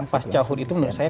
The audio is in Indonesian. pas cahud itu menurut saya